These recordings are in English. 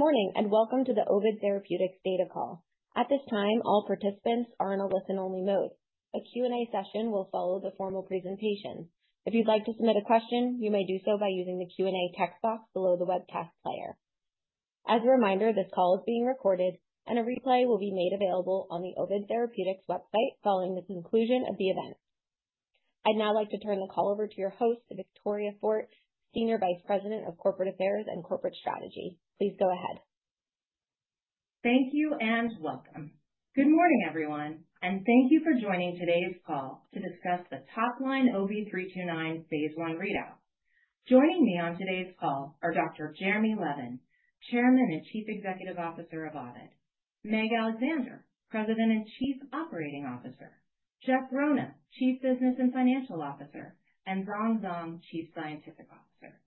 Good morning and welcome to the Ovid Therapeutics Data Call. At this time, all participants are in a listen-only mode. A Q&A session will follow the formal presentation. If you'd like to submit a question, you may do so by using the Q&A text box below the webcast player. As a reminder, this call is being recorded, and a replay will be made available on the Ovid Therapeutics website following the conclusion of the event. I'd now like to turn the call over to your host, Victoria Fort, Senior Vice President of Corporate Affairs and Corporate Strategy. Please go ahead. Thank you and welcome. Good morning, everyone, and thank you for joining today's call to discuss the Topline OV329 phase I readout. Joining me on today's call are Dr. Jeremy Levin, Chairman and Chief Executive Officer of Ovid; Meg Alexander, President and Chief Operating Officer; Jeff Rona, Chief Business and Financial Officer; and Zhong Zhong, Chief Scientific Officer.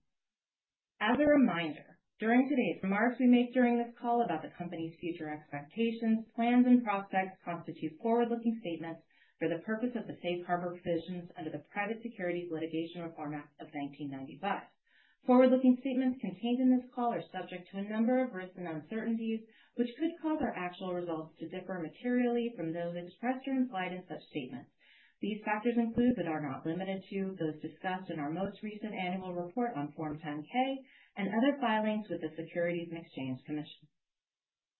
As a reminder, during today's remarks we make during this call about the company's future expectations, plans, and prospects constitute forward-looking statements for the purpose of the Safe Harbor provisions under the Private Securities Litigation Reform Act of 1995. Forward-looking statements contained in this call are subject to a number of risks and uncertainties, which could cause our actual results to differ materially from those expressed or implied in such statements. These factors include, but are not limited to, those discussed in our most recent annual report on Form 10-K and other filings with the Securities and Exchange Commission.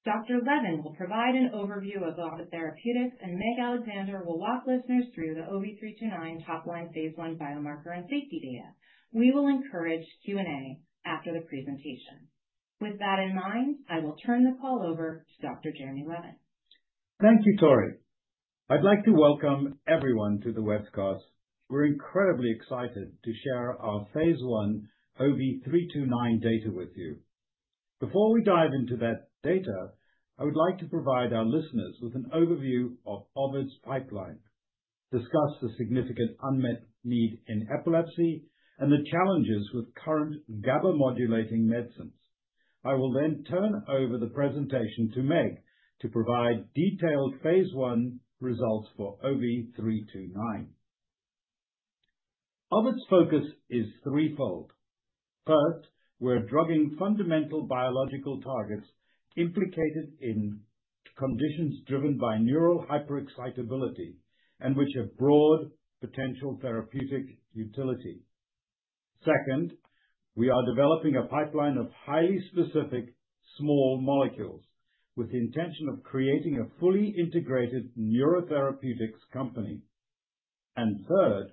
Dr. Levin will provide an overview of Ovid Therapeutics, and Meg Alexander will walk listeners through the OV329 topline phase I biomarker and safety data. We will encourage Q&A after the presentation. With that in mind, I will turn the call over to Dr. Jeremy Levin. Thank you, Tori. I'd like to welcome everyone to the webcast. We're incredibly excited to share our phase I OV329 data with you. Before we dive into that data, I would like to provide our listeners with an overview of Ovid's pipeline, discuss the significant unmet need in epilepsy, and the challenges with current GABA-modulating medicines. I will then turn over the presentation to Meg to provide detailed phase I results for OV329. Ovid's focus is threefold. First, we're drugging fundamental biological targets implicated in conditions driven by neural hyperexcitability and which have broad potential therapeutic utility. Second, we are developing a pipeline of highly specific small molecules with the intention of creating a fully integrated neurotherapeutics company, and third,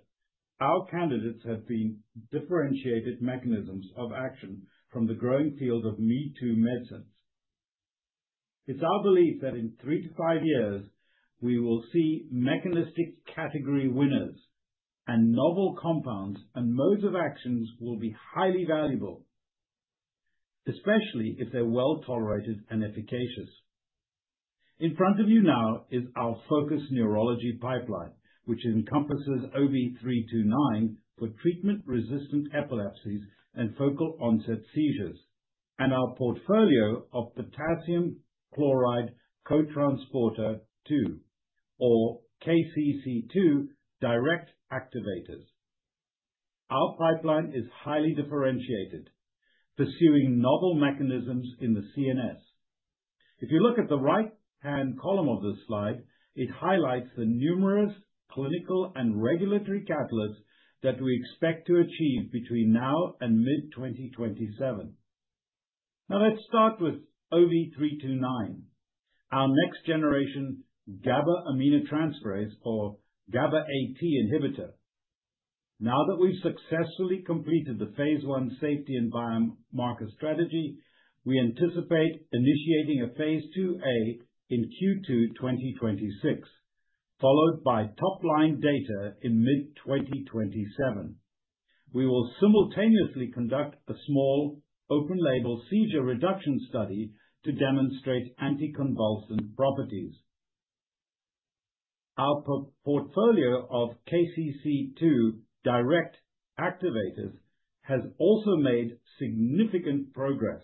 our candidates have been differentiated mechanisms of action from the growing field of me-too medicines. It's our belief that in three to five years, we will see mechanistic category winners, and novel compounds and modes of action will be highly valuable, especially if they're well tolerated and efficacious. In front of you now is our focus neurology pipeline, which encompasses OV329 for treatment-resistant epilepsies and focal onset seizures, and our portfolio of potassium chloride co-transporter 2, or KCC2, direct activators. Our pipeline is highly differentiated, pursuing novel mechanisms in the CNS. If you look at the right-hand column of this slide, it highlights the numerous clinical and regulatory catalysts that we expect to achieve between now and mid-2027. Now, let's start with OV329, our next-generation GABA aminotransferase, or GABA-AT inhibitor. Now that we've successfully completed the phase I safety and biomarker strategy, we anticipate initiating a phase II-A in Q2 2026, followed by top-line data in mid-2027. We will simultaneously conduct a small open-label seizure reduction study to demonstrate anti-convulsant properties. Our portfolio of KCC2 direct activators has also made significant progress.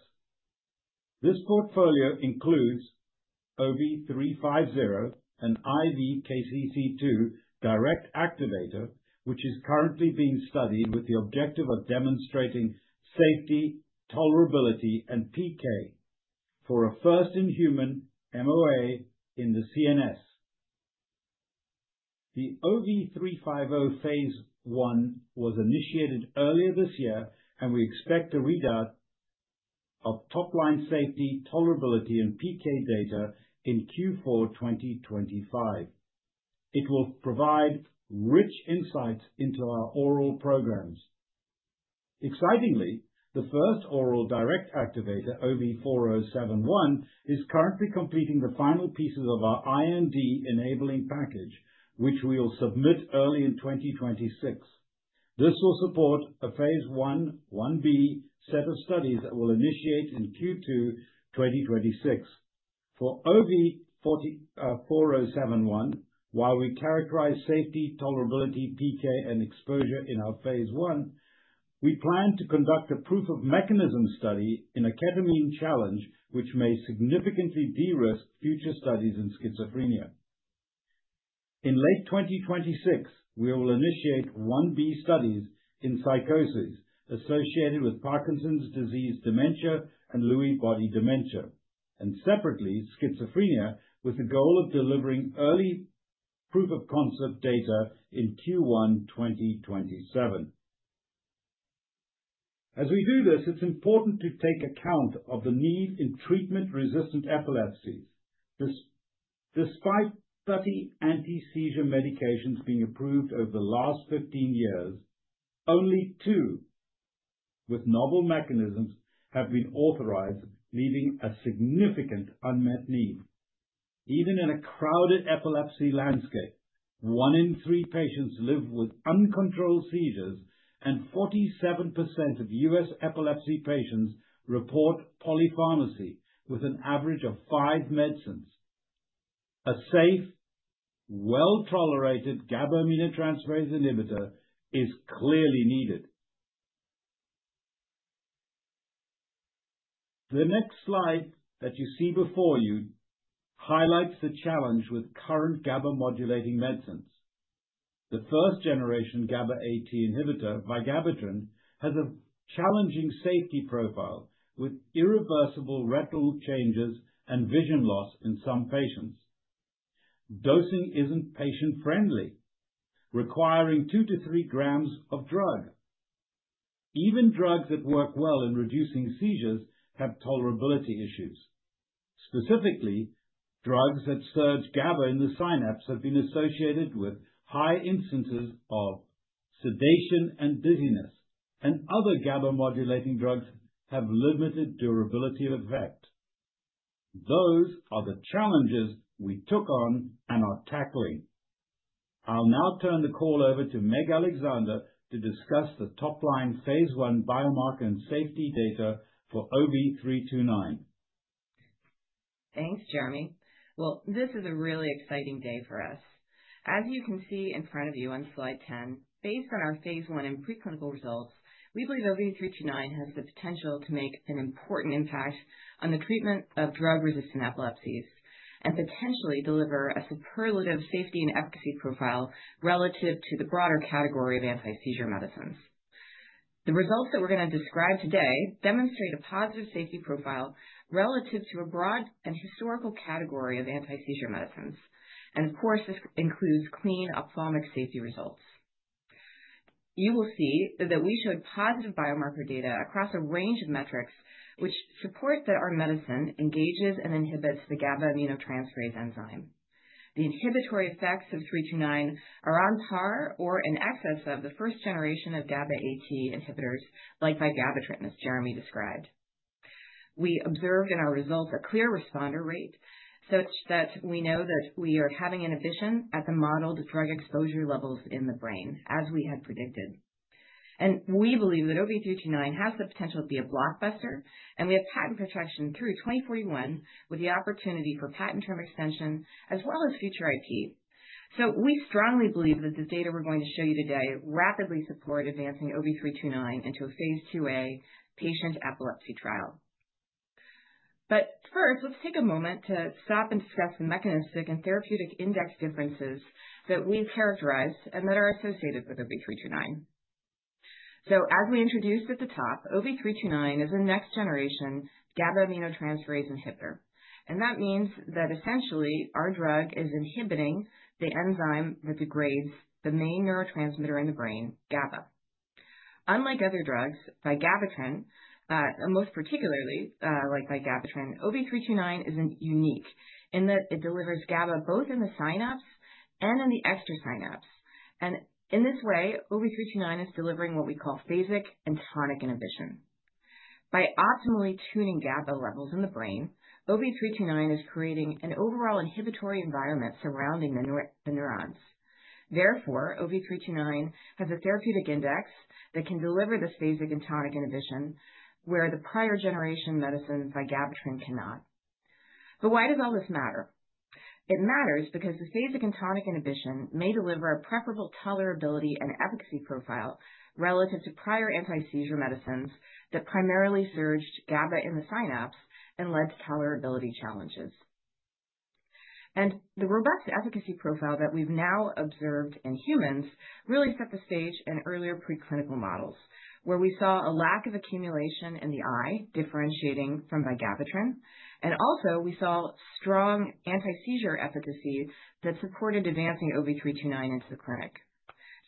This portfolio includes OV350, an IV KCC2 direct activator, which is currently being studied with the objective of demonstrating safety, tolerability, and PK for a first-in-human MOA in the CNS. The OV350 phase I was initiated earlier this year, and we expect a readout of top-line safety, tolerability, and PK data in Q4 2025. It will provide rich insights into our oral programs. Excitingly, the first oral direct activator, OV4071, is currently completing the final pieces of our IND-enabling package, which we will submit early in 2026. This will support a phase I, 1b set of studies that will initiate in Q2 2026. For OV4071, while we characterize safety, tolerability, PK, and exposure in our phase I, we plan to conduct a proof-of-mechanism study in a ketamine challenge, which may significantly de-risk future studies in schizophrenia. In late 2026, we will initiate 1b studies in psychoses associated with Parkinson's disease, dementia, and Lewy body dementia, and separately schizophrenia, with the goal of delivering early proof-of-concept data in Q1 2027. As we do this, it's important to take account of the need in treatment-resistant epilepsies. Despite 30 anti-seizure medications being approved over the last 15 years, only two with novel mechanisms have been authorized, leaving a significant unmet need. Even in a crowded epilepsy landscape, one in three patients live with uncontrolled seizures, and 47% of U.S. epilepsy patients report polypharmacy with an average of five medicines. A safe, well-tolerated GABA aminotransferase inhibitor is clearly needed. The next slide that you see before you highlights the challenge with current GABA-modulating medicines. The first-generation GABA-AT inhibitor, vigabatrin, has a challenging safety profile with irreversible retinal changes and vision loss in some patients. Dosing isn't patient-friendly, requiring two to three grams of drug. Even drugs that work well in reducing seizures have tolerability issues. Specifically, drugs that surge GABA in the synapse have been associated with high instances of sedation and dizziness, and other GABA-modulating drugs have limited durability of effect. Those are the challenges we took on and are tackling. I'll now turn the call over to Meg Alexander to discuss the top-line phase I biomarker and safety data for OV329. Thanks, Jeremy. This is a really exciting day for us. As you can see in front of you on slide 10, based on our phase I and preclinical results, we believe OV329 has the potential to make an important impact on the treatment of drug-resistant epilepsies and potentially deliver a superlative safety and efficacy profile relative to the broader category of anti-seizure medicines. The results that we're going to describe today demonstrate a positive safety profile relative to a broad and historical category of anti-seizure medicines. Of course, this includes clean ophthalmic safety results. You will see that we showed positive biomarker data across a range of metrics which support that our medicine engages and inhibits the GABA aminotransferase enzyme. The inhibitory effects of 329 are on par or in excess of the first generation of GABA-AT inhibitors like vigabatrin, as Jeremy described. We observed in our results a clear responder rate such that we know that we are having inhibition at the modeled drug exposure levels in the brain, as we had predicted. And we believe that OV329 has the potential to be a blockbuster, and we have patent protection through 2041 with the opportunity for patent term extension as well as future IP. So we strongly believe that the data we're going to show you today rapidly support advancing OV329 into a phase II-A patient epilepsy trial. But first, let's take a moment to stop and discuss the mechanistic and therapeutic index differences that we've characterized and that are associated with OV329. So as we introduced at the top, OV329 is a next-generation GABA aminotransferase inhibitor. And that means that essentially our drug is inhibiting the enzyme that degrades the main neurotransmitter in the brain, GABA. Unlike other drugs, vigabatrin, most particularly like vigabatrin, OV329 is unique in that it delivers GABA both in the synapse and in the extra-synaptic, and in this way, OV329 is delivering what we call phasic and tonic inhibition. By optimally tuning GABA levels in the brain, OV329 is creating an overall inhibitory environment surrounding the neurons. Therefore, OV329 has a therapeutic index that can deliver this phasic and tonic inhibition where the prior-generation medicine vigabatrin cannot, but why does all this matter? It matters because the phasic and tonic inhibition may deliver a preferable tolerability and efficacy profile relative to prior anti-seizure medicines that primarily surged GABA in the synapse and led to tolerability challenges, and the robust efficacy profile that we've now observed in humans really set the stage in earlier preclinical models where we saw a lack of accumulation in the eye differentiating from vigabatrin. Also, we saw strong anti-seizure efficacy that supported advancing OV329 into the clinic.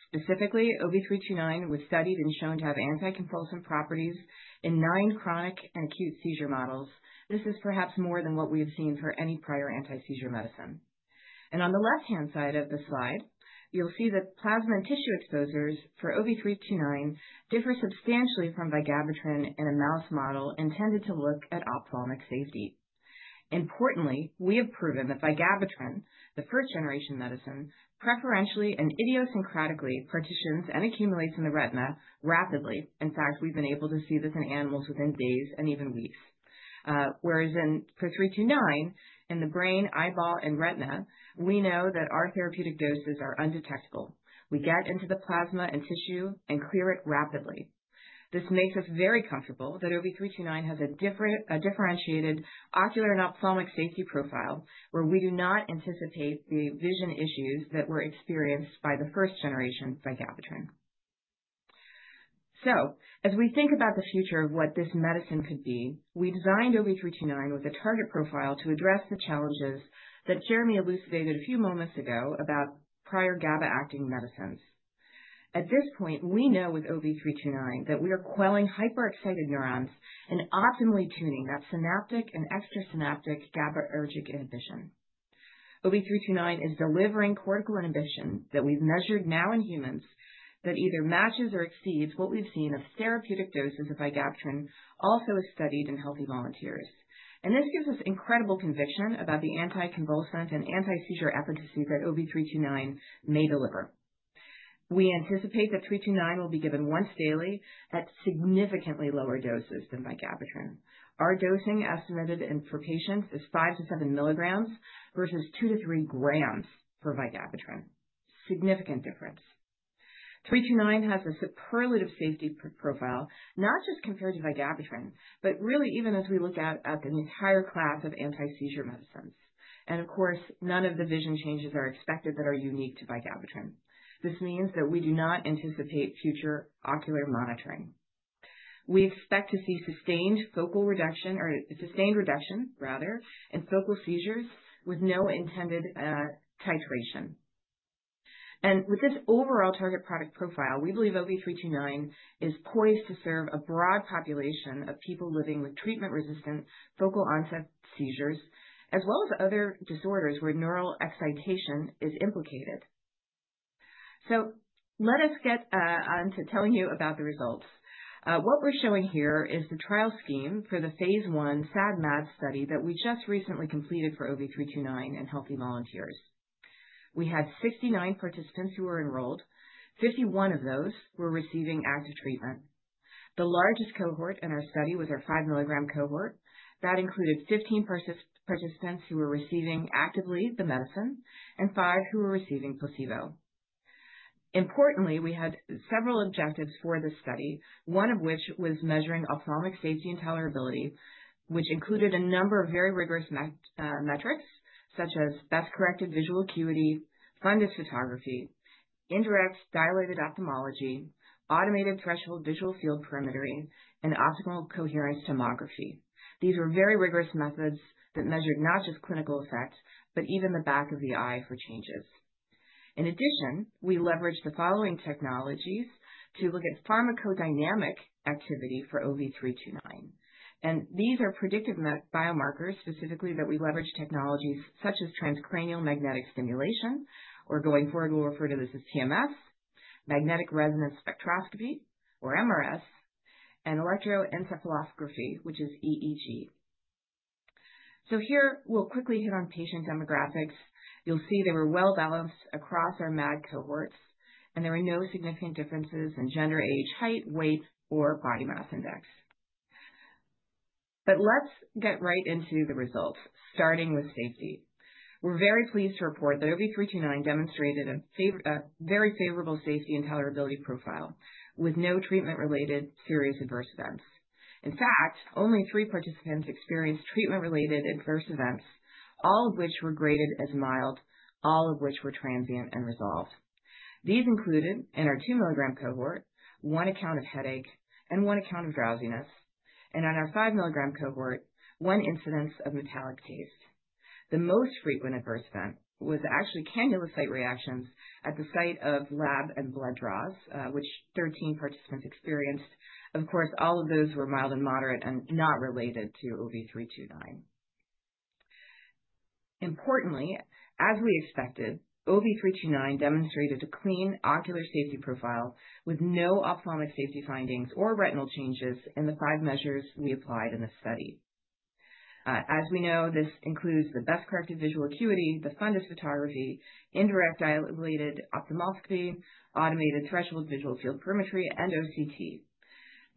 Specifically, OV329 was studied and shown to have anticonvulsant properties in nine chronic and acute seizure models. This is perhaps more than what we have seen for any prior anti-seizure medicine. On the left-hand side of the slide, you'll see that plasma and tissue exposures for OV329 differ substantially from vigabatrin in a mouse model intended to look at ophthalmic safety. Importantly, we have proven that vigabatrin, the first-generation medicine, preferentially and idiosyncratically partitions and accumulates in the retina rapidly. In fact, we've been able to see this in animals within days and even weeks. Whereas for OV329, in the brain, eyeball, and retina, we know that our therapeutic doses are undetectable. We get into the plasma and tissue and clear it rapidly. This makes us very comfortable that OV329 has a differentiated ocular and ophthalmic safety profile where we do not anticipate the vision issues that were experienced by the first-generation vigabatrin. So as we think about the future of what this medicine could be, we designed OV329 with a target profile to address the challenges that Jeremy elucidated a few moments ago about prior GABA-acting medicines. At this point, we know with OV329 that we are quelling hyperexcited neurons and optimally tuning that synaptic and extra-synaptic GABAergic inhibition. OV329 is delivering cortical inhibition that we've measured now in humans that either matches or exceeds what we've seen of therapeutic doses of vigabatrin also studied in healthy volunteers. And this gives us incredible conviction about the anti-convulsant and anti-seizure efficacy that OV329 may deliver. We anticipate that 329 will be given once daily at significantly lower doses than vigabatrin. Our dosing estimate for patients is five to seven milligrams versus two to three grams for vigabatrin. Significant difference. 329 has a superlative safety profile, not just compared to vigabatrin, but really even as we look at the entire class of anti-seizure medicines. And of course, none of the vision changes are expected that are unique to vigabatrin. This means that we do not anticipate further ocular monitoring. We expect to see sustained focal reduction or sustained reduction, rather, in focal seizures with no intended titration. And with this overall target product profile, we believe OV329 is poised to serve a broad population of people living with treatment-resistant focal onset seizures, as well as other disorders where neural excitation is implicated. So let us get on to telling you about the results. What we're showing here is the trial scheme for the phase I SAD/MAD study that we just recently completed for OV329 in healthy volunteers. We had 69 participants who were enrolled. 51 of those were receiving active treatment. The largest cohort in our study was our five-milligram cohort. That included 15 participants who were receiving actively the medicine and five who were receiving placebo. Importantly, we had several objectives for this study, one of which was measuring ophthalmic safety and tolerability, which included a number of very rigorous metrics such as best-corrected visual acuity, fundus photography, indirect dilated ophthalmoscopy, automated threshold visual field perimetry, and optical coherence tomography. These were very rigorous methods that measured not just clinical effects, but even the back of the eye for changes. In addition, we leveraged the following technologies to look at pharmacodynamic activity for OV329. These are predictive biomarkers specifically that we leveraged technologies such as transcranial magnetic stimulation, or going forward, we'll refer to this as TMS, magnetic resonance spectroscopy, or MRS, and electroencephalography, which is EEG. So here, we'll quickly hit on patient demographics. You'll see they were well-balanced across our MAD cohorts, and there were no significant differences in gender, age, height, weight, or body mass index. But let's get right into the results, starting with safety. We're very pleased to report that OV329 demonstrated a very favorable safety and tolerability profile with no treatment-related serious adverse events. In fact, only three participants experienced treatment-related adverse events, all of which were graded as mild, all of which were transient and resolved. These included in our two-milligram cohort, one account of headache and one account of drowsiness. And on our five-milligram cohort, one incidence of metallic taste. The most frequent adverse event was actually cannula site reactions at the site of lab and blood draws, which 13 participants experienced. Of course, all of those were mild and moderate and not related to OV329. Importantly, as we expected, OV329 demonstrated a clean ocular safety profile with no ophthalmic safety findings or retinal changes in the five measures we applied in the study. As we know, this includes the best-corrected visual acuity, the fundus photography, indirect dilated ophthalmoscopy, automated threshold visual field perimetry, and OCT.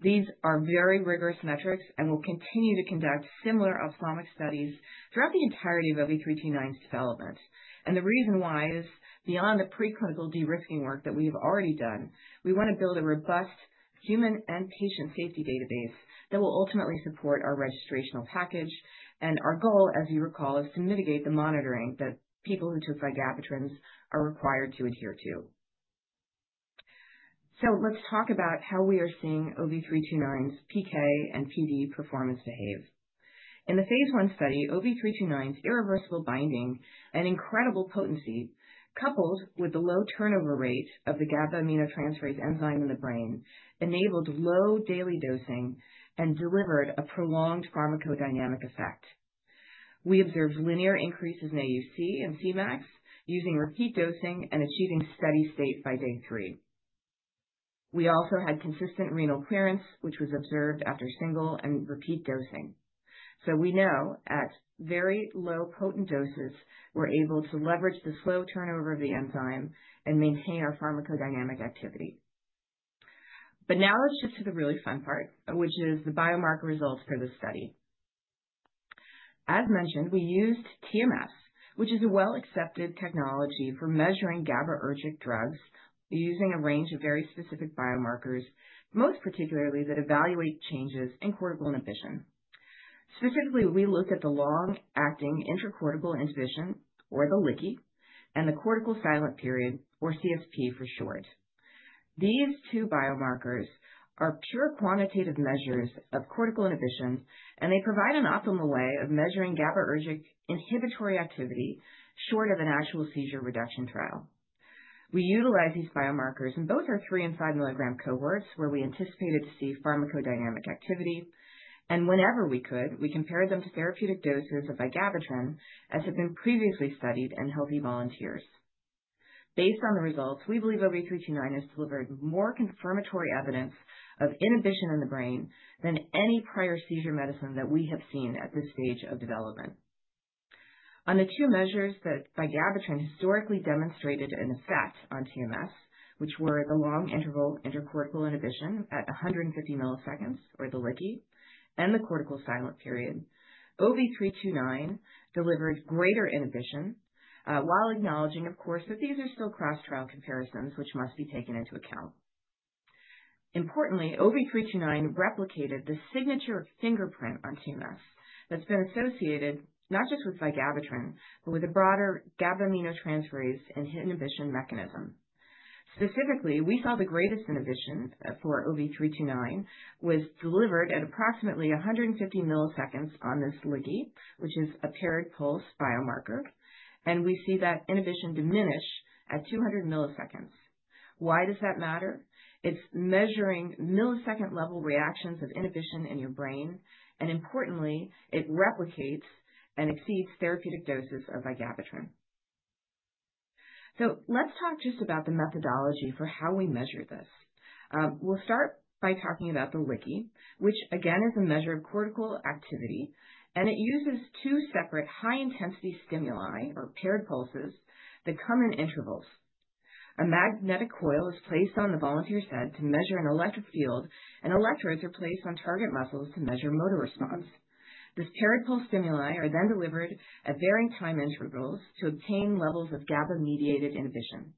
These are very rigorous metrics and will continue to conduct similar ophthalmic studies throughout the entirety of OV329's development, and the reason why is beyond the preclinical de-risking work that we have already done, we want to build a robust human and patient safety database that will ultimately support our registrational package. Our goal, as you recall, is to mitigate the monitoring that people who took vigabatrin are required to adhere to. Let's talk about how we are seeing OV329's PK and PD performance behave. In the phase I study, OV329's irreversible binding and incredible potency, coupled with the low turnover rate of the GABA aminotransferase enzyme in the brain, enabled low daily dosing and delivered a prolonged pharmacodynamic effect. We observed linear increases in AUC and Cmax using repeat dosing and achieving steady state by day three. We also had consistent renal clearance, which was observed after single and repeat dosing. We know at very low potent doses, we're able to leverage the slow turnover of the enzyme and maintain our pharmacodynamic activity. Now let's shift to the really fun part, which is the biomarker results for this study. As mentioned, we used TMS, which is a well-accepted technology for measuring GABAergic drugs using a range of very specific biomarkers, most particularly that evaluate changes in cortical inhibition. Specifically, we looked at the long-interval intracortical inhibition, or the LICI, and the cortical silent period, or CSP for short. These two biomarkers are pure quantitative measures of cortical inhibition, and they provide an optimal way of measuring GABAergic inhibitory activity short of an actual seizure reduction trial. We utilize these biomarkers in both our three and five-milligram cohorts where we anticipated to see pharmacodynamic activity. And whenever we could, we compared them to therapeutic doses of vigabatrin, as had been previously studied in healthy volunteers. Based on the results, we believe OV329 has delivered more confirmatory evidence of inhibition in the brain than any prior seizure medicine that we have seen at this stage of development. On the two measures that vigabatrin historically demonstrated an effect on TMS, which were the long-interval intracortical inhibition at 150 milliseconds, or the LICI, and the cortical silent period, OV329 delivered greater inhibition while acknowledging, of course, that these are still cross-trial comparisons which must be taken into account. Importantly, OV329 replicated the signature fingerprint on TMS that's been associated not just with vigabatrin, but with a broader GABA aminotransferase inhibition mechanism. Specifically, we saw the greatest inhibition for OV329 was delivered at approximately 150 milliseconds on this LICI, which is a paired pulse biomarker, and we see that inhibition diminish at 200 milliseconds. Why does that matter? It's measuring millisecond-level reactions of inhibition in your brain, and importantly, it replicates and exceeds therapeutic doses of vigabatrin, so let's talk just about the methodology for how we measure this. We'll start by talking about the LICI, which again is a measure of cortical activity, and it uses two separate high-intensity stimuli, or paired pulses, that come in intervals. A magnetic coil is placed on the volunteer's head to measure an electric field, and electrodes are placed on target muscles to measure motor response. This paired pulse stimuli are then delivered at varying time intervals to obtain levels of GABA-mediated inhibition.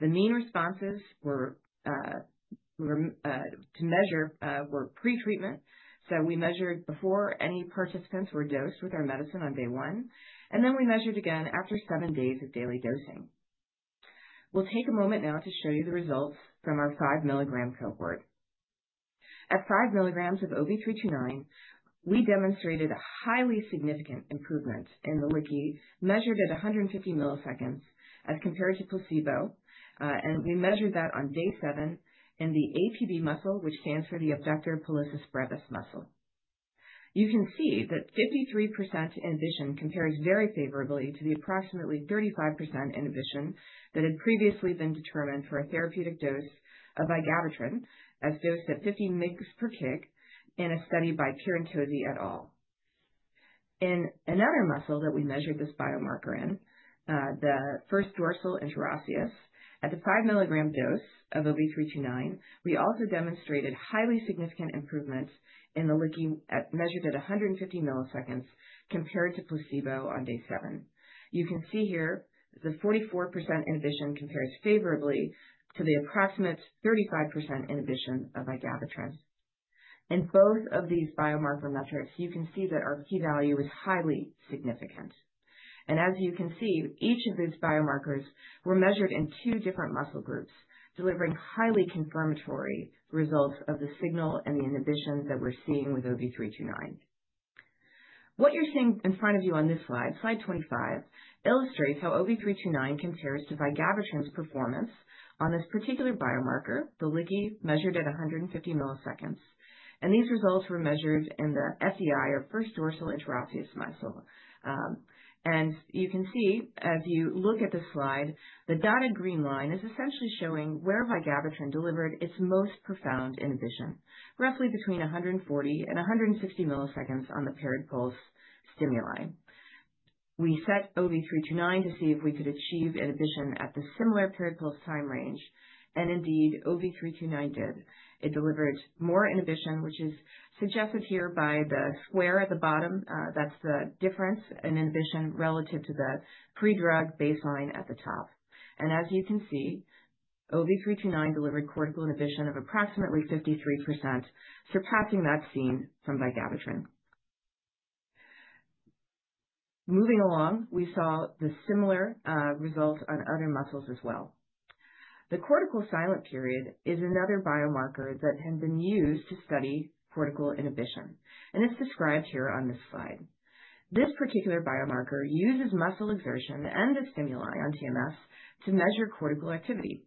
The mean responses to measure were pretreatment, so we measured before any participants were dosed with our medicine on day one. And then we measured again after seven days of daily dosing. We'll take a moment now to show you the results from our five-milligram cohort. At five milligrams of OV329, we demonstrated a highly significant improvement in the LICI measured at 150 milliseconds as compared to placebo. We measured that on day seven in the APB muscle, which stands for the abductor pollicis brevis muscle. You can see that 53% inhibition compares very favorably to the approximately 35% inhibition that had previously been determined for a therapeutic dose of vigabatrin as dosed at 50 mg per kg in a study by Pierantozzi et al. In another muscle that we measured this biomarker in, the first dorsal interosseous, at the 5-milligram dose of OV329, we also demonstrated highly significant improvements in the LICI measured at 150 milliseconds compared to placebo on day seven. You can see here the 44% inhibition compares favorably to the approximate 35% inhibition of vigabatrin. In both of these biomarker metrics, you can see that our p-value is highly significant. As you can see, each of these biomarkers were measured in two different muscle groups, delivering highly confirmatory results of the signal and the inhibition that we're seeing with OV329. What you're seeing in front of you on this slide, slide 25, illustrates how OV329 compares to vigabatrin's performance on this particular biomarker, the LICI measured at 150 milliseconds. These results were measured in the FDI, or first dorsal interosseous muscle. You can see, as you look at this slide, the dotted green line is essentially showing where vigabatrin delivered its most profound inhibition, roughly between 140 and 160 milliseconds on the paired pulse stimuli. We set OV329 to see if we could achieve inhibition at the similar paired pulse time range. Indeed, OV329 did. It delivered more inhibition, which is suggested here by the square at the bottom. That's the difference in inhibition relative to the pre-drug baseline at the top. As you can see, OV329 delivered cortical inhibition of approximately 53%, surpassing that seen from vigabatrin. Moving along, we saw similar results on other muscles as well. The cortical silent period is another biomarker that had been used to study cortical inhibition. It's described here on this slide. This particular biomarker uses muscle exertion and the stimuli on TMS to measure cortical activity.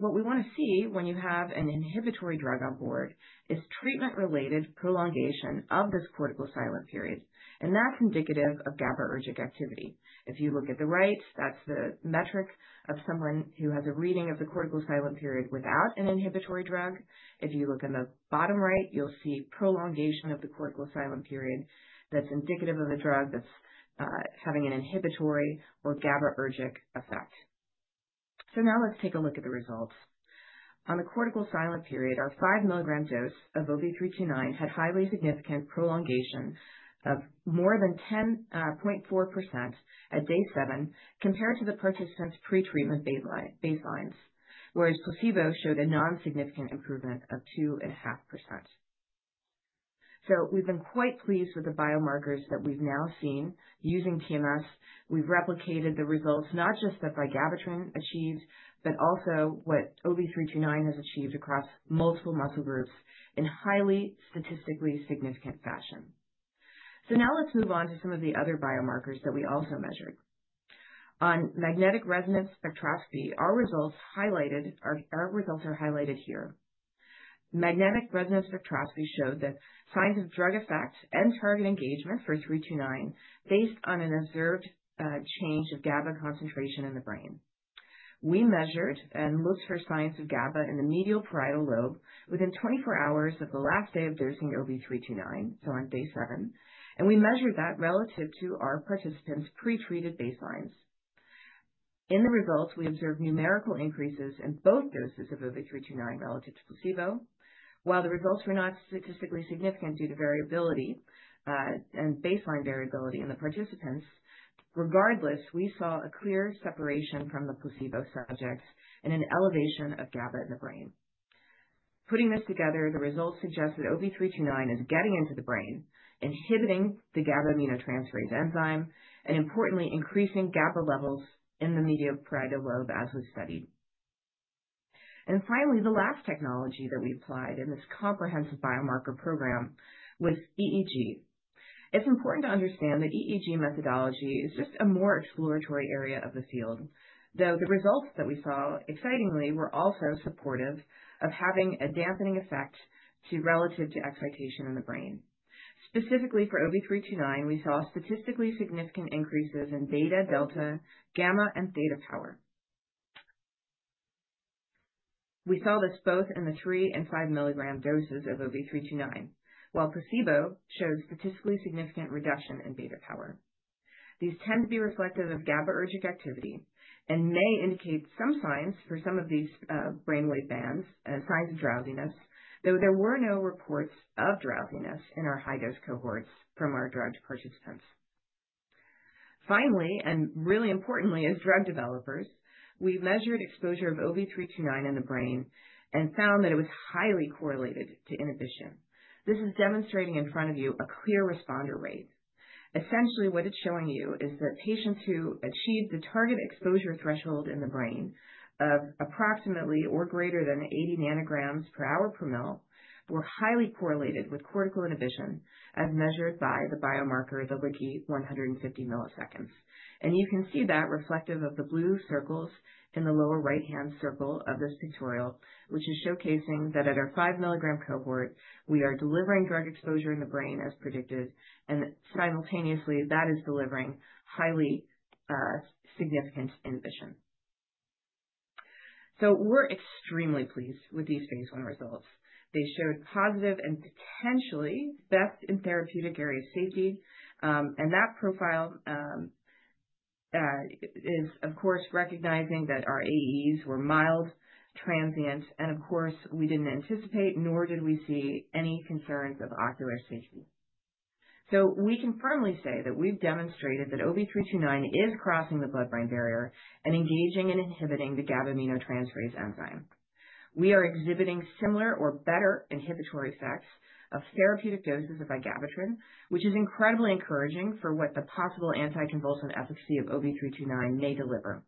What we want to see when you have an inhibitory drug on board is treatment-related prolongation of this cortical silent period. That's indicative of GABAergic activity. If you look at the right, that's the metric of someone who has a reading of the cortical silent period without an inhibitory drug. If you look on the bottom right, you'll see prolongation of the cortical silent period that's indicative of a drug that's having an inhibitory or GABAergic effect. So now let's take a look at the results. On the cortical silent period, our five-milligram dose of OV329 had highly significant prolongation of more than 10.4% at day seven compared to the participants' pretreatment baselines, whereas placebo showed a non-significant improvement of 2.5%. So we've been quite pleased with the biomarkers that we've now seen using TMS. We've replicated the results, not just that vigabatrin achieved, but also what OV329 has achieved across multiple muscle groups in highly statistically significant fashion. So now let's move on to some of the other biomarkers that we also measured. On magnetic resonance spectroscopy, our results are highlighted here. Magnetic resonance spectroscopy showed the signs of drug effect and target engagement for OV329 based on an observed change of GABA concentration in the brain. We measured and looked for signs of GABA in the medial parietal lobe within 24 hours of the last day of dosing OV329, so on day seven. We measured that relative to our participants' pretreated baselines. In the results, we observed numerical increases in both doses of OV329 relative to placebo. While the results were not statistically significant due to variability and baseline variability in the participants, regardless, we saw a clear separation from the placebo subjects and an elevation of GABA in the brain. Putting this together, the results suggest that OV329 is getting into the brain, inhibiting the GABA aminotransferase enzyme, and importantly, increasing GABA levels in the medial parietal lobe as was studied. And finally, the last technology that we applied in this comprehensive biomarker program was EEG. It's important to understand that EEG methodology is just a more exploratory area of the field, though the results that we saw, excitingly, were also supportive of having a dampening effect relative to excitation in the brain. Specifically for OV329, we saw statistically significant increases in beta, delta, gamma, and theta power. We saw this both in the three and five-milligram doses of OV329, while placebo showed statistically significant reduction in beta power. These tend to be reflective of GABAergic activity and may indicate some signs for some of these brain wave bands, signs of drowsiness, though there were no reports of drowsiness in our high-dose cohorts from our drugged participants. Finally, and really importantly, as drug developers, we measured exposure of OV329 in the brain and found that it was highly correlated to inhibition. This is demonstrating in front of you a clear responder rate. Essentially, what it's showing you is that patients who achieved the target exposure threshold in the brain of approximately or greater than 80 nanograms per hour per ml were highly correlated with cortical inhibition as measured by the biomarker, the LICI, 150 milliseconds. And you can see that reflective of the blue circles in the lower right-hand circle of this pictorial, which is showcasing that at our five-milligram cohort, we are delivering drug exposure in the brain as predicted. And simultaneously, that is delivering highly significant inhibition. So we're extremely pleased with these phase I results. They showed positive and potentially best in therapeutic area safety. And that profile is, of course, recognizing that our AEs were mild, transient, and of course, we didn't anticipate, nor did we see any concerns of ocular safety. So we can firmly say that we've demonstrated that OV329 is crossing the blood-brain barrier and engaging and inhibiting the GABA aminotransferase enzyme. We are exhibiting similar or better inhibitory effects of therapeutic doses of vigabatrin, which is incredibly encouraging for what the possible anticonvulsant efficacy of OV329 may deliver.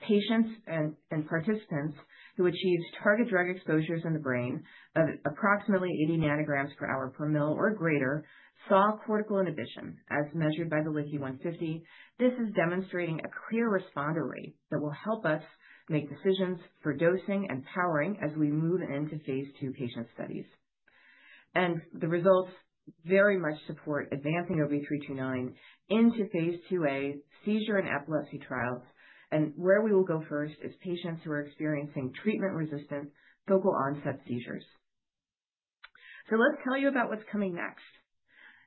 Patients and participants who achieved target drug exposures in the brain of approximately 80 nanograms per hour per ml or greater saw cortical inhibition as measured by the LICI 150. This is demonstrating a clear responder rate that will help us make decisions for dosing and powering as we move into phase II patient studies. And the results very much support advancing OV329 into phase II-A seizure and epilepsy trials. And where we will go first is patients who are experiencing treatment-resistant focal onset seizures. So let's tell you about what's coming next.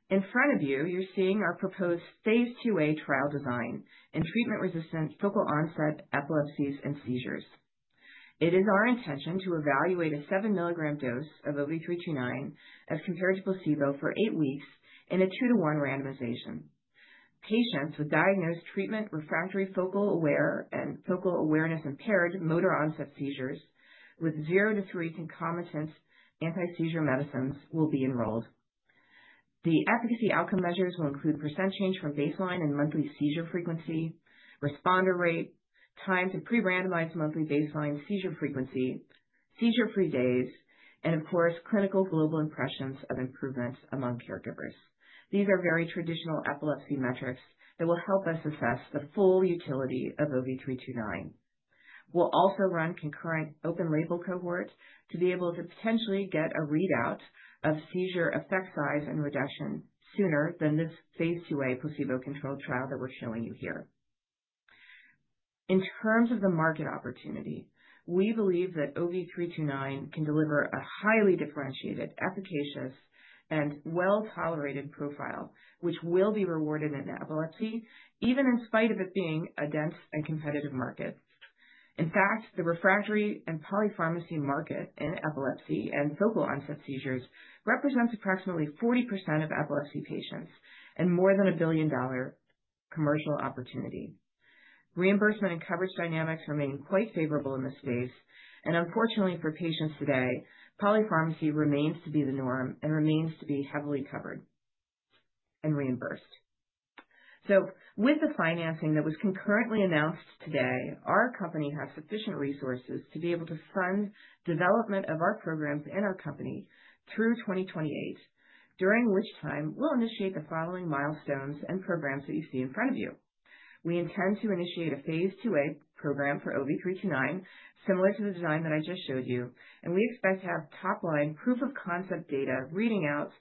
In front of you, you're seeing our proposed phase II-A trial design in treatment-resistant focal onset epilepsies and seizures. It is our intention to evaluate a seven-milligram dose of OV329 as compared to placebo for eight weeks in a two-to-one randomization. Patients with diagnosed treatment refractory focal aware and focal awareness impaired motor onset seizures with zero to three concomitant anti-seizure medicines will be enrolled. The efficacy outcome measures will include percent change from baseline in monthly seizure frequency, responder rate, times of pre-randomized monthly baseline seizure frequency, seizure-free days, and of course, clinical global impressions of improvements among caregivers. These are very traditional epilepsy metrics that will help us assess the full utility of OV329. We'll also run a concurrent open-label cohort to be able to potentially get a readout of seizure effect size and reduction sooner than this phase II-A placebo-controlled trial that we're showing you here. In terms of the market opportunity, we believe that OV329 can deliver a highly differentiated, efficacious, and well-tolerated profile, which will be rewarded in epilepsy, even in spite of it being a dense and competitive market. In fact, the refractory and polypharmacy market in epilepsy and focal onset seizures represents approximately 40% of epilepsy patients and more than a $1 billion commercial opportunity. Reimbursement and coverage dynamics remain quite favorable in this space. And unfortunately for patients today, polypharmacy remains to be the norm and remains to be heavily covered and reimbursed. So with the financing that was concurrently announced today, our company has sufficient resources to be able to fund development of our programs and our company through 2028, during which time we'll initiate the following milestones and programs that you see in front of you. We intend to initiate a phase II-A program for OV329, similar to the design that I just showed you. And we expect to have top-line proof of concept data reading out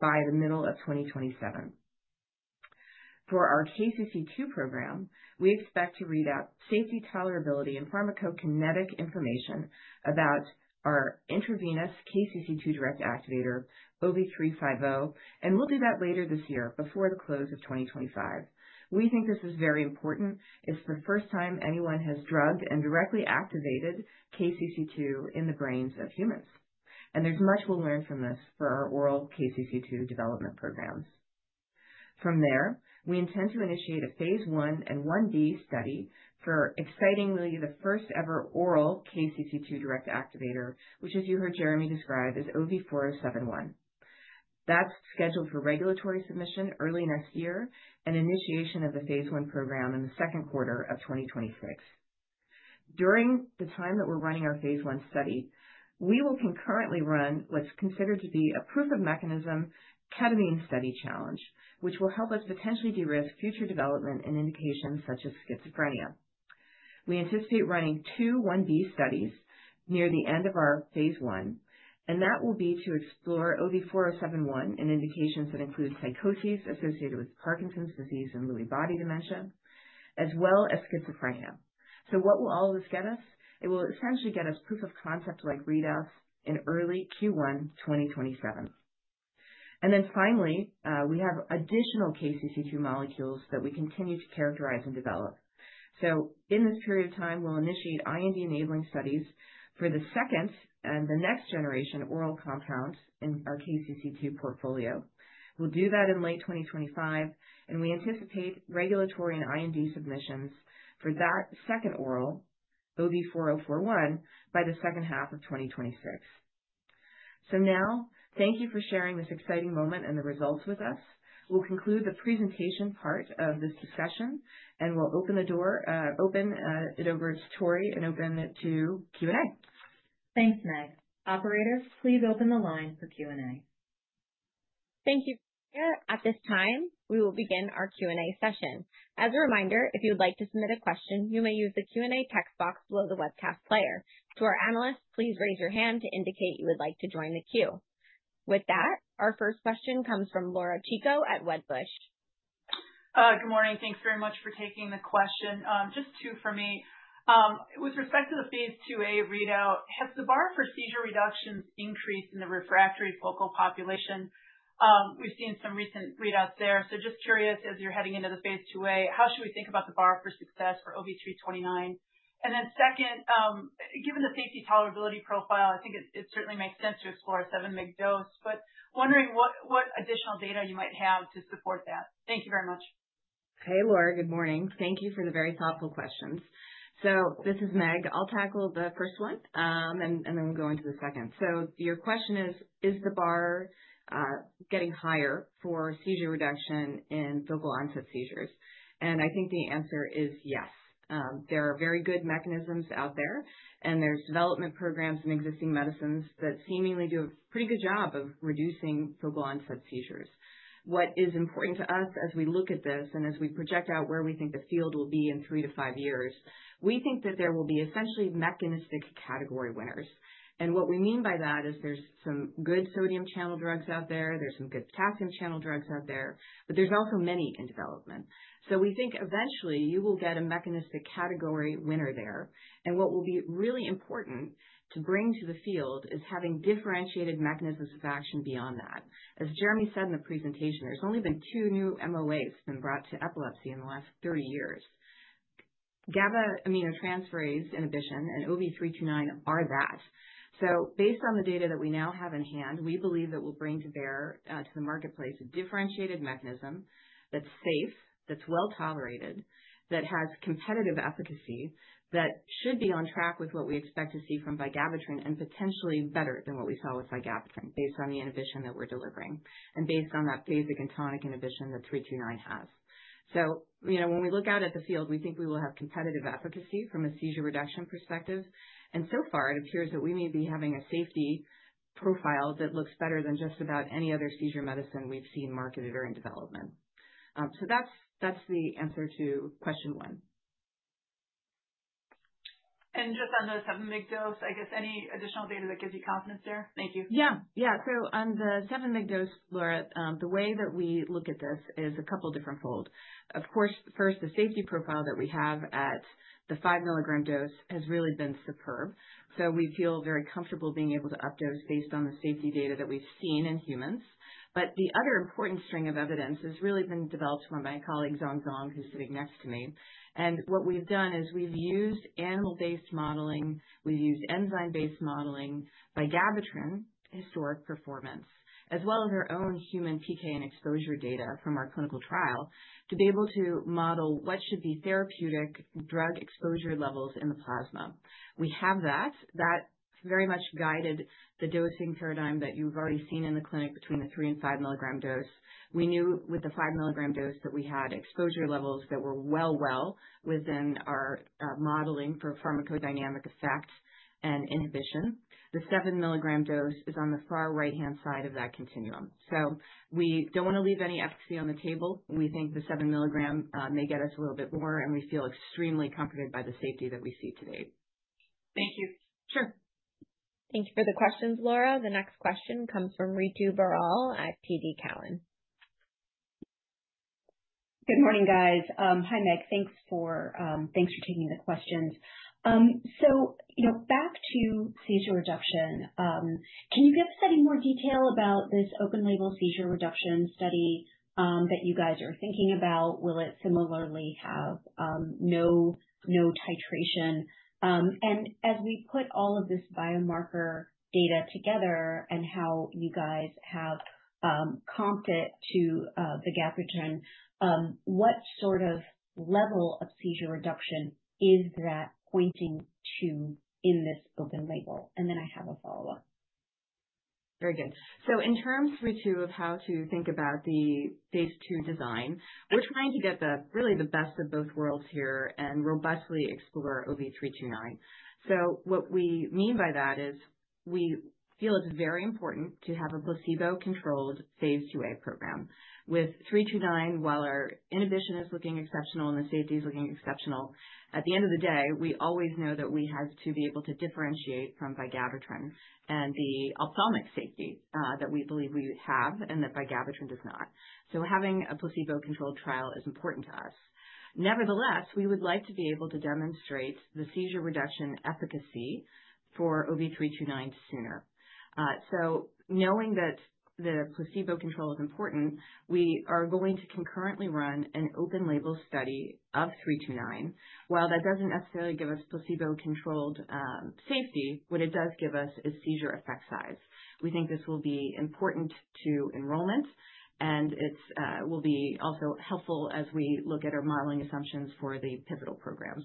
by the middle of 2027. For our KCC2 program, we expect to read out safety, tolerability, and pharmacokinetic information about our intravenous KCC2 direct activator, OV350. And we'll do that later this year before the close of 2025. We think this is very important. It's the first time anyone has drugged and directly activated KCC2 in the brains of humans. And there's much we'll learn from this for our oral KCC2 development programs. From there, we intend to initiate a phase I and 1b study for, excitingly, the first-ever oral KCC2 direct activator, which, as you heard Jeremy describe, is OV4071. That's scheduled for regulatory submission early next year and initiation of the phase I program in the second quarter of 2026. During the time that we're running our phase I study, we will concurrently run what's considered to be a proof of mechanism ketamine study challenge, which will help us potentially de-risk future development and indications such as schizophrenia. We anticipate running two 1b studies near the end of our phase I, and that will be to explore OV4071 and indications that include psychoses associated with Parkinson's disease and Lewy body dementia, as well as schizophrenia. What will all of this get us? It will essentially get us proof of concept-like readouts in early Q1 2027. Then finally, we have additional KCC2 molecules that we continue to characterize and develop. So in this period of time, we'll initiate IND enabling studies for the second and the next generation oral compounds in our KCC2 portfolio. We'll do that in late 2025, and we anticipate regulatory and IND submissions for that second oral, OV4041, by the second half of 2026. So now, thank you for sharing this exciting moment and the results with us. We'll conclude the presentation part of this discussion, and we'll open the floor to Tori and open it to Q&A. Thanks, Meg. Operators, please open the line for Q&A. Thank you, Victoria. At this time, we will begin our Q&A session. As a reminder, if you'd like to submit a question, you may use the Q&A text box below the webcast player. To our analysts, please raise your hand to indicate you would like to join the queue. With that, our first question comes from Laura Chico at Wedbush. Good morning. Thanks very much for taking the question. Just two for me. With respect to the phase II-A readout, has the bar for seizure reductions increased in the refractory focal population? We've seen some recent readouts there. So just curious, as you're heading into the phase II-A, how should we think about the bar for success for OV329? And then second, given the safety tolerability profile, I think it certainly makes sense to explore a 7 mg dose, but wondering what additional data you might have to support that. Thank you very much. Hey, Laura, good morning. Thank you for the very thoughtful questions. So this is Meg. I'll tackle the first one, and then we'll go into the second. So your question is, is the bar getting higher for seizure reduction in focal onset seizures? And I think the answer is yes. There are very good mechanisms out there, and there's development programs and existing medicines that seemingly do a pretty good job of reducing focal onset seizures. What is important to us as we look at this and as we project out where we think the field will be in three to five years, we think that there will be essentially mechanistic category winners. And what we mean by that is there's some good sodium channel drugs out there. There's some good potassium channel drugs out there, but there's also many in development. So we think eventually you will get a mechanistic category winner there. And what will be really important to bring to the field is having differentiated mechanisms of action beyond that. As Jeremy said in the presentation, there's only been two new MOAs been brought to epilepsy in the last 30 years. GABA aminotransferase inhibition and OV329 are that. So based on the data that we now have in hand, we believe that we'll bring to bear to the marketplace a differentiated mechanism that's safe, that's well tolerated, that has competitive efficacy, that should be on track with what we expect to see from vigabatrin and potentially better than what we saw with vigabatrin based on the inhibition that we're delivering and based on that phasic and tonic inhibition that 329 has. So when we look out at the field, we think we will have competitive efficacy from a seizure reduction perspective. So far, it appears that we may be having a safety profile that looks better than just about any other seizure medicine we've seen marketed or in development. So that's the answer to question one. Just on the 70-mg dose, I guess any additional data that gives you confidence there? Thank you. Yeah, yeah. So on the 70-mg dose, Laura, the way that we look at this is a couple different fold. Of course, first, the safety profile that we have at the five-milligram dose has really been superb. So we feel very comfortable being able to updose based on the safety data that we've seen in humans. But the other important string of evidence has really been developed by my colleague Zhong Zhong, who's sitting next to me. What we've done is we've used animal-based modeling. We've used enzyme-based modeling, vigabatrin, historic performance, as well as our own human PK and exposure data from our clinical trial to be able to model what should be therapeutic drug exposure levels in the plasma. We have that. That very much guided the dosing paradigm that you've already seen in the clinic between the three- and five-milligram dose. We knew with the five-milligram dose that we had exposure levels that were well, well within our modeling for pharmacodynamic effect and inhibition. The seven-milligram dose is on the far right-hand side of that continuum. So we don't want to leave any efficacy on the table. We think the seven-milligram may get us a little bit more, and we feel extremely comforted by the safety that we see today. Thank you. Sure. Thank you for the questions, Laura. The next question comes from Ritu Baral at TD Cowen. Good morning, guys. Hi, Meg. Thanks for taking the questions. So back to seizure reduction, can you give us any more detail about this open-label seizure reduction study that you guys are thinking about? Will it similarly have no titration? And as we put all of this biomarker data together and how you guys have compared it to the vigabatrin, what sort of level of seizure reduction is that pointing to in this open label? And then I have a follow-up. Very good. So in terms of how to think about the phase II design, we're trying to get really the best of both worlds here and robustly explore OV329. So what we mean by that is we feel it's very important to have a placebo-controlled phase II-A program. With OV329, while our inhibition is looking exceptional and the safety is looking exceptional, at the end of the day, we always know that we have to be able to differentiate from vigabatrin and the ophthalmic safety that we believe we have and that vigabatrin does not. So having a placebo-controlled trial is important to us. Nevertheless, we would like to be able to demonstrate the seizure reduction efficacy for OV329 sooner. So knowing that the placebo control is important, we are going to concurrently run an open-label study of OV329. While that doesn't necessarily give us placebo-controlled safety, what it does give us is seizure effect size. We think this will be important to enrollment, and it will be also helpful as we look at our modeling assumptions for the pivotal programs.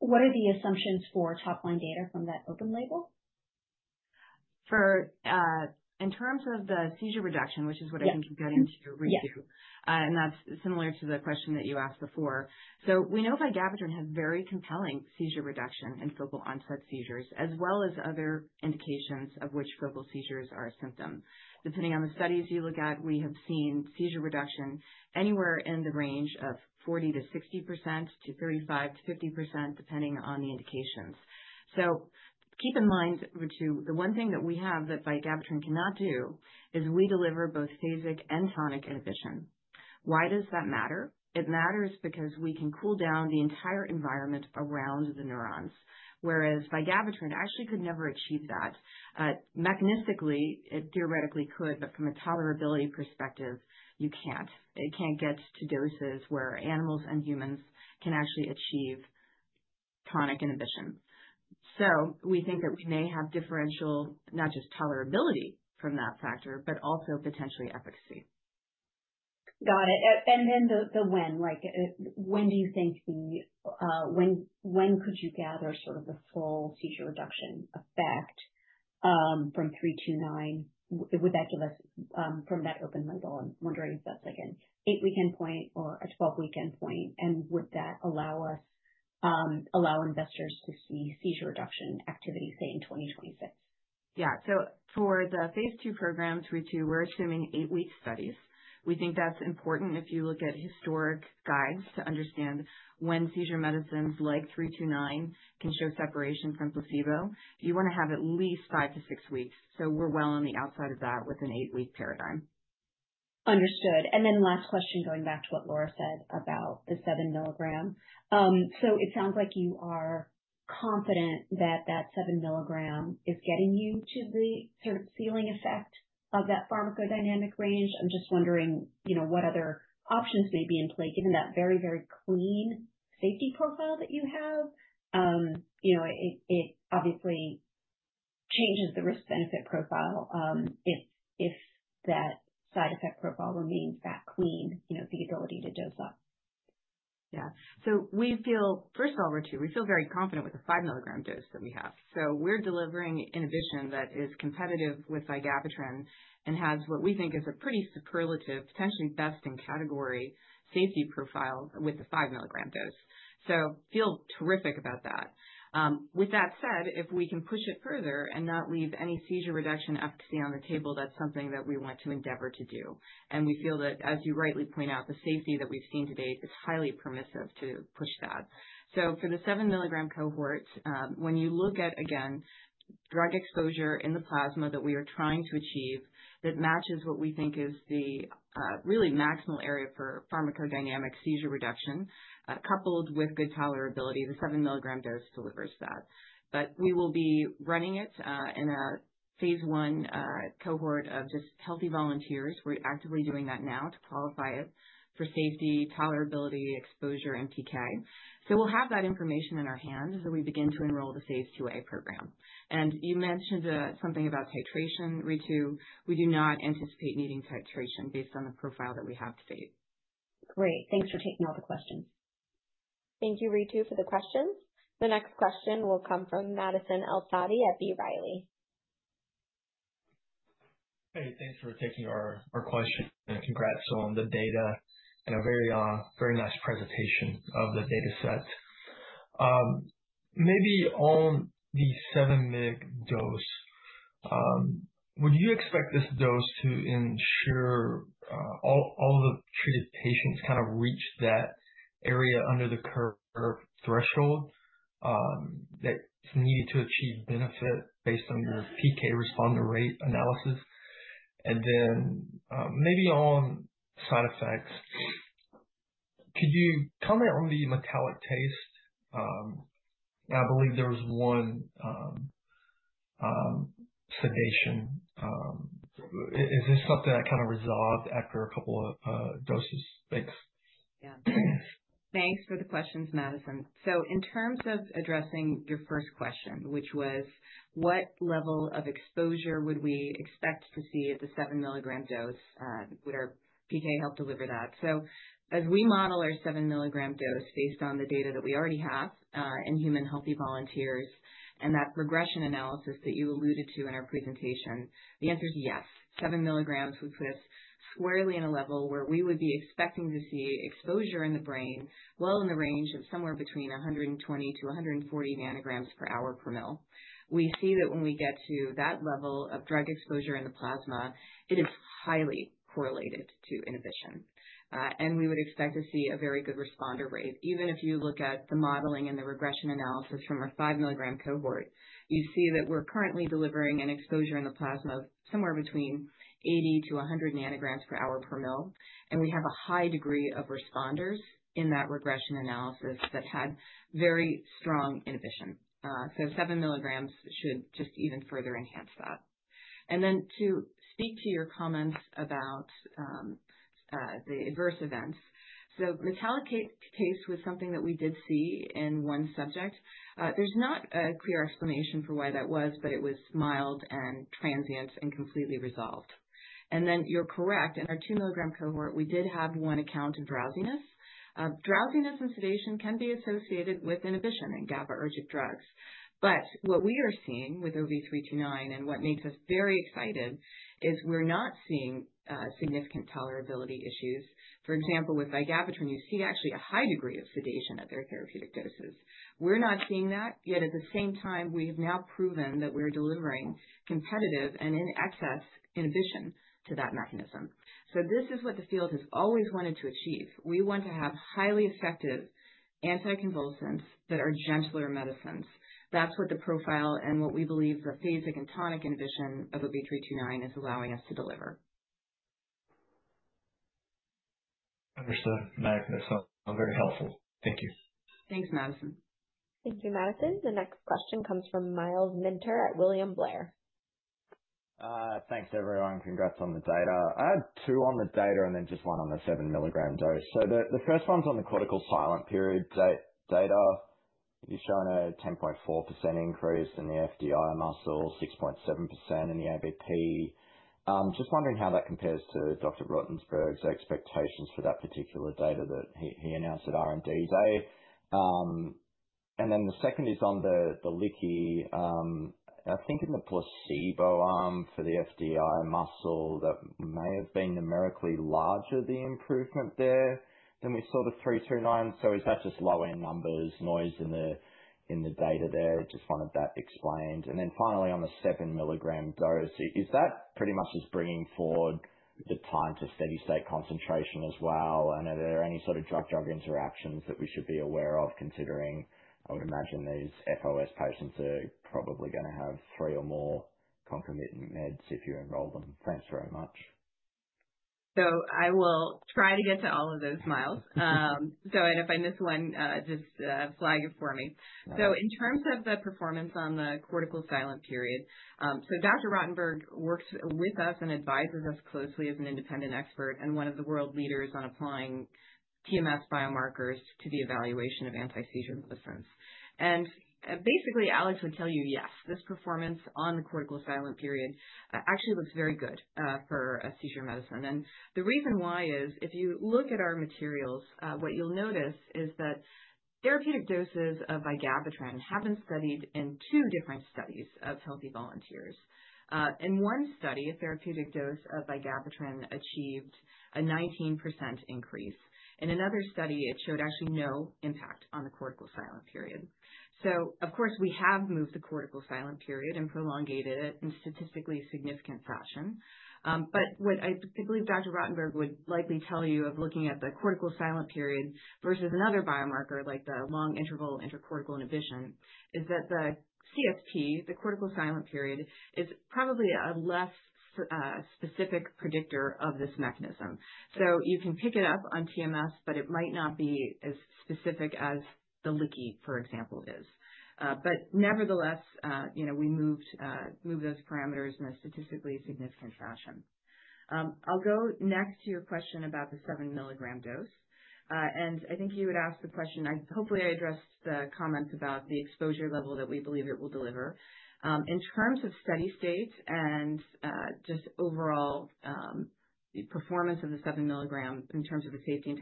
What are the assumptions for top-line data from that open label? In terms of the seizure reduction, which is what I think you've got into Ritu, and that's similar to the question that you asked before. So we know vigabatrin has very compelling seizure reduction in focal onset seizures, as well as other indications of which focal seizures are a symptom. Depending on the studies you look at, we have seen seizure reduction anywhere in the range of 40%-60% to 35%-50%, depending on the indications. So keep in mind, Ritu, the one thing that we have that vigabatrin cannot do is we deliver both phasic and tonic inhibition. Why does that matter? It matters because we can cool down the entire environment around the neurons, whereas vigabatrin actually could never achieve that. Mechanistically, it theoretically could, but from a tolerability perspective, you can't. It can't get to doses where animals and humans can actually achieve tonic inhibition. So we think that we may have differential, not just tolerability from that factor, but also potentially efficacy. Got it. And then when do you think you could gather sort of the full seizure reduction effect from OV329? Would that give us from that open label? I'm wondering if that's like an eight-week endpoint or a 12-week endpoint, and would that allow investors to see seizure reduction activity, say, in 2026? Yeah. So for the phase II program for OV329, we're assuming eight-week studies. We think that's important if you look at historic guides to understand when seizure medicines like OV329 can show separation from placebo. You want to have at least five to six weeks. So we're well on the outside of that with an eight-week paradigm. Understood. And then, last question, going back to what Laura said about the seven-milligram. So it sounds like you are confident that that seven-milligram is getting you to the sort of ceiling effect of that pharmacodynamic range. I'm just wondering what other options may be in play, given that very, very clean safety profile that you have. It obviously changes the risk-benefit profile if that side effect profile remains that clean, the ability to dose up. Yeah. So we feel, first of all, Ritu, we feel very confident with the five-milligram dose that we have. So we're delivering inhibition that is competitive with vigabatrin and has what we think is a pretty superlative, potentially best in category safety profile with the five-milligram dose. So feel terrific about that. With that said, if we can push it further and not leave any seizure reduction efficacy on the table, that's something that we want to endeavor to do. And we feel that, as you rightly point out, the safety that we've seen to date is highly permissive to push that. So for the seven-milligram cohort, when you look at, again, drug exposure in the plasma that we are trying to achieve, that matches what we think is the really maximal area for pharmacodynamic seizure reduction, coupled with good tolerability, the seven-milligram dosoe delivers that. But we will be running it in a phase I cohort of just healthy volunteers. We're actively doing that now to qualify it for safety, tolerability, exposure, and PK. So we'll have that information in our hands as we begin to enroll the phase II-A program. And you mentioned something about titration, Ritu. We do not anticipate needing titration based on the profile that we have to date. Great. Thanks for taking all the questions. Thank you, Ritu, for the questions. The next question will come from Madison El-Saadi at B. Riley Securities. Hey, thanks for taking our question. Congrats on the data and a very nice presentation of the data set. Maybe on the 70-mg dose, would you expect this dose to ensure all the treated patients kind of reach that area under the curve threshold that's needed to achieve benefit based on your PK responder rate analysis? And then maybe on side effects, could you comment on the metallic taste? I believe there was one sedation. Is this something that kind of resolved after a couple of doses? Thanks. Yeah. Thanks for the questions, Madison. So in terms of addressing your first question, which was, what level of exposure would we expect to see at the seven-milligram dose? Would our PK help deliver that? So as we model our seven-milligram dose based on the data that we already have in human healthy volunteers and that regression analysis that you alluded to in our presentation, the answer is yes. Seven milligrams would put us squarely in a level where we would be expecting to see exposure in the brain well in the range of somewhere between 120 to 140 nanograms per hour per ml. We see that when we get to that level of drug exposure in the plasma, it is highly correlated to inhibition. And we would expect to see a very good responder rate. Even if you look at the modeling and the regression analysis from our five-milligram cohort, you see that we're currently delivering an exposure in the plasma of somewhere between 80 to 100 nanograms per hour per mL. We have a high degree of responders in that regression analysis that had very strong inhibition. Seven milligrams should just even further enhance that. To speak to your comments about the adverse events, metallic taste was something that we did see in one subject. There's not a clear explanation for why that was, but it was mild and transient and completely resolved. You're correct. In our two-milligram cohort, we did have one account of drowsiness. Drowsiness and sedation can be associated with inhibition in GABAergic drugs. What we are seeing with OV329 and what makes us very excited is we're not seeing significant tolerability issues. For example, with vigabatrin, you see actually a high degree of sedation at their therapeutic doses. We're not seeing that. Yet at the same time, we have now proven that we're delivering competitive and in excess inhibition to that mechanism. So this is what the field has always wanted to achieve. We want to have highly effective anticonvulsants that are gentler medicines. That's what the profile and what we believe the phasic and tonic inhibition of OV329 is allowing us to deliver. Understood. That's very helpful. Thank you. Thanks, Madison. Thank you, Madison. The next question comes from Miles Minter at William Blair. Thanks, everyone. Congrats on the data. I had two on the data and then just one on the seven-milligram dose. So the first one's on the cortical silent period data. You're showing a 10.4% increase in the FDI muscle, 6.7% in the APB. Just wondering how that compares to Dr. Rotenberg's expectations for that particular data that he announced at R&D Day. And then the second is on the LICI. I think in the placebo arm for the FDI muscle, that may have been numerically larger, the improvement there than we saw the 329. So is that just lower in numbers, noise in the data there? Just wanted that explained. And then finally, on the seven-milligram dose, is that pretty much just bringing forward the time to steady-state concentration as well? And are there any sort of drug-drug interactions that we should be aware of considering, I would imagine, these FOS patients are probably going to have three or more concomitant meds if you enroll them? Thanks very much. So I will try to get to all of those, Miles. So if I miss one, just flag it for me. So in terms of the performance on the cortical silent period, so Dr. Rotenberg works with us and advises us closely as an independent expert and one of the world leaders on applying TMS biomarkers to the evaluation of anti-seizure medicines. And basically, Alex would tell you, yes, this performance on the cortical silent period actually looks very good for a seizure medicine. And the reason why is if you look at our materials, what you'll notice is that therapeutic doses of vigabatrin have been studied in two different studies of healthy volunteers. In one study, a therapeutic dose of vigabatrin achieved a 19% increase. In another study, it showed actually no impact on the cortical silent period. So of course, we have moved the cortical silent period and prolongated it in statistically significant fashion. But what I believe Dr. Rotenberg would likely tell you of looking at the cortical silent period versus another biomarker like the long-interval intracortical inhibition is that the CSP, the cortical silent period, is probably a less specific predictor of this mechanism, so you can pick it up on TMS, but it might not be as specific as the LICI, for example, is, but nevertheless, we moved those parameters in a statistically significant fashion. I'll go next to your question about the seven-milligram dose, and I think you had asked the question. Hopefully, I addressed the comments about the exposure level that we believe it will deliver. In terms of steady-state and just overall performance of the seven-milligram in terms of the safety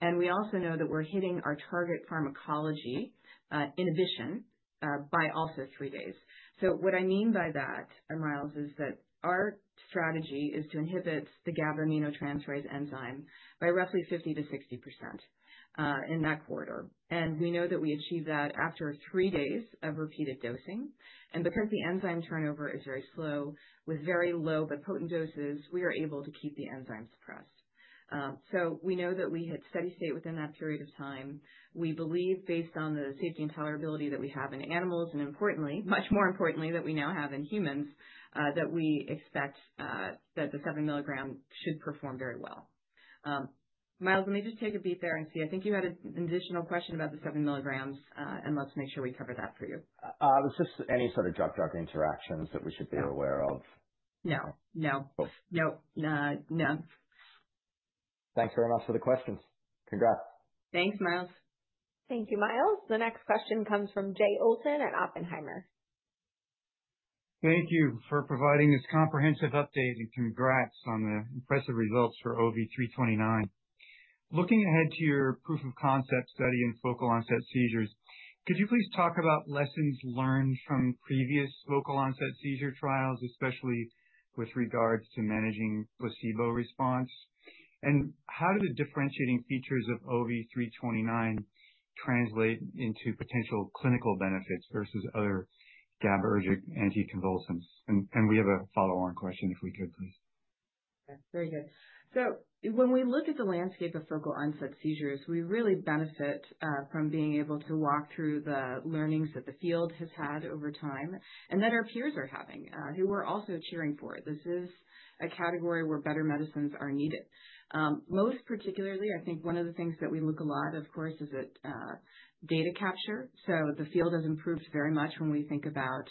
and we also know that we're hitting our target pharmacology inhibition by also three days. So what I mean by that, Miles, is that our strategy is to inhibit the GABA aminotransferase enzyme by roughly 50%-60% in that quarter. And we know that we achieve that after three days of repeated dosing. And because the enzyme turnover is very slow with very low but potent doses, we are able to keep the enzyme suppressed. So we know that we hit steady-state within that period of time. We believe, based on the safety and tolerability that we have in animals, and importantly, much more importantly, that we now have in humans, that we expect that the seven-milligram should perform very well. Miles, let me just take a beat there and see. I think you had an additional question about the seven milligrams, and let's make sure we cover that for you. It's just any sort of drug-drug interactions that we should be aware of. No. No. No. No. Thanks very much for the questions. Congrats. Thanks, Miles. Thank you, Miles. The next question comes from Jay Olson at Oppenheimer. Thank you for providing this comprehensive update and congrats on the impressive results for OV329. Looking ahead to your proof of concept study in focal onset seizures, could you please talk about lessons learned from previous focal onset seizure trials, especially with regards to managing placebo response? And how do the differentiating features of OV329 translate into potential clinical benefits versus other GABAergic anticonvulsants? And we have a follow-on question if we could, please. Very good. When we look at the landscape of focal onset seizures, we really benefit from being able to walk through the learnings that the field has had over time and that our peers are having, who we're also cheering for. This is a category where better medicines are needed. Most particularly, I think one of the things that we look a lot, of course, is at data capture. The field has improved very much when we think about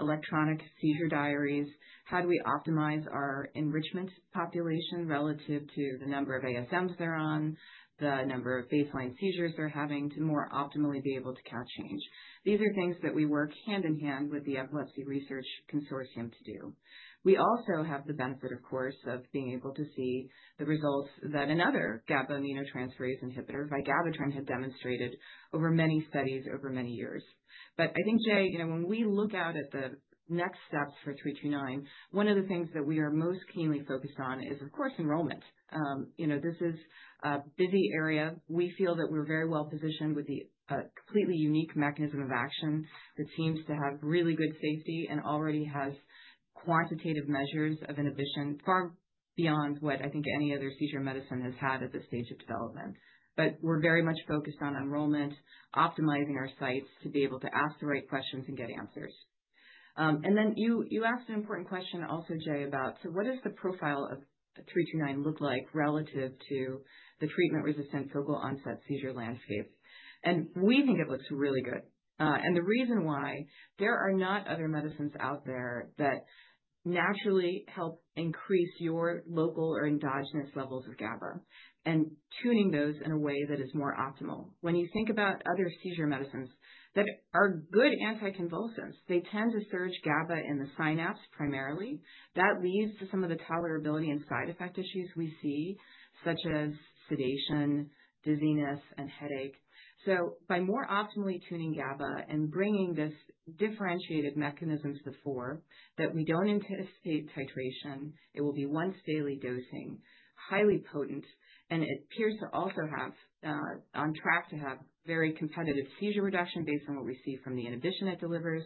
electronic seizure diaries, how do we optimize our enrichment population relative to the number of ASMs they're on, the number of baseline seizures they're having to more optimally be able to catch change. These are things that we work hand in hand with the Epilepsy Research Consortium to do. We also have the benefit, of course, of being able to see the results that another GABA aminotransferase inhibitor, vigabatrin, had demonstrated over many studies over many years. But I think, Jay, when we look out at the next steps for 329, one of the things that we are most keenly focused on is, of course, enrollment. This is a busy area. We feel that we're very well positioned with a completely unique mechanism of action that seems to have really good safety and already has quantitative measures of inhibition far beyond what I think any other seizure medicine has had at this stage of development. But we're very much focused on enrollment, optimizing our sites to be able to ask the right questions and get answers. You asked an important question also, Jay, about so what does the profile of 329 look like relative to the treatment-resistant focal onset seizure landscape? We think it looks really good. The reason why is, there are not other medicines out there that naturally help increase your local or endogenous levels of GABA and tuning those in a way that is more optimal. When you think about other seizure medicines that are good anticonvulsants, they tend to surge GABA in the synapse primarily. That leads to some of the tolerability and side effect issues we see, such as sedation, dizziness, and headache. So by more optimally tuning GABA and bringing this differentiated mechanism to the fore that we don't anticipate titration, it will be once-daily dosing, highly potent, and it appears to also have on track to have very competitive seizure reduction based on what we see from the inhibition it delivers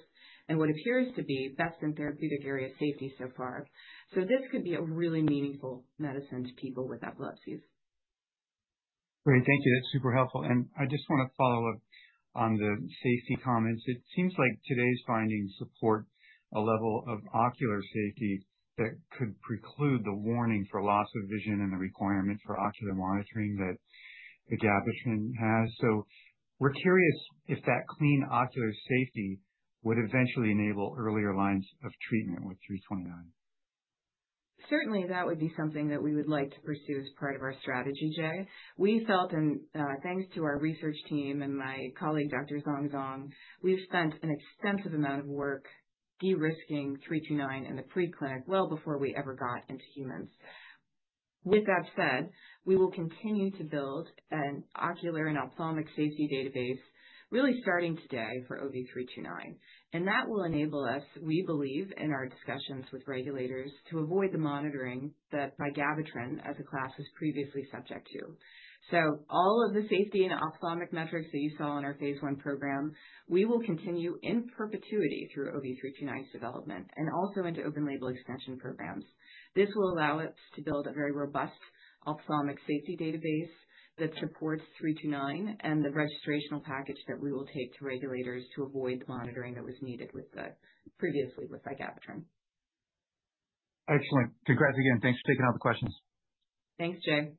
and what appears to be best in therapeutic area safety so far. So this could be a really meaningful medicine to people with epilepsies. Great. Thank you. That's super helpful. And I just want to follow up on the safety comments. It seems like today's findings support a level of ocular safety that could preclude the warning for loss of vision and the requirement for ocular monitoring that vigabatrin has. So we're curious if that clean ocular safety would eventually enable earlier lines of treatment with 329. Certainly, that would be something that we would like to pursue as part of our strategy, Jay. We felt, and thanks to our research team and my colleague, Dr. Zhong Zhong, we've spent an extensive amount of work de-risking OV329 in the preclinical well before we ever got into humans. With that said, we will continue to build an ocular and ophthalmic safety database, really starting today for OV329. And that will enable us, we believe, in our discussions with regulators to avoid the monitoring that vigabatrin as a class was previously subject to. So all of the safety and ophthalmic metrics that you saw in our phase I program, we will continue in perpetuity through OV329's development and also into open-label extension programs. This will allow us to build a very robust ophthalmic safety database that supports 329 and the registration package that we will take to regulators to avoid the monitoring that was needed previously with vigabatrin. Excellent. Congrats again. Thanks for taking all the questions. Thanks, Jay.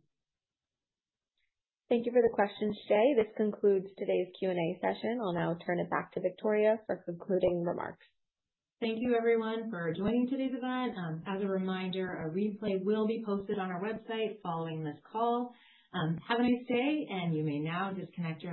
Thank you for the questions, Jay. This concludes today's Q&A session. I'll now turn it back to Victoria for concluding remarks. Thank you, everyone, for joining today's event. As a reminder, a replay will be posted on our website following this call. Have a nice day, and you may now disconnect or.